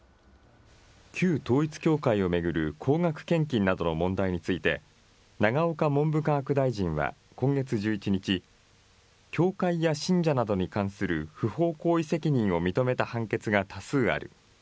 旧統一教会を巡る高額献金などの問題について、永岡文部科学大臣は今月１１日、教会や信者などに関する不法行為責任を認めた判決が多数ある。